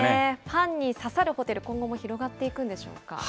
ファンにささるホテル、今後も広がっていくんでしょうか。